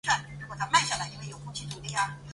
只有一般列车停靠。